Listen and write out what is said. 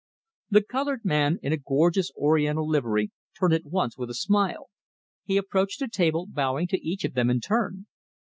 The coloured man in gorgeous oriental livery turned at once with a smile. He approached the table, bowing to each of them in turn.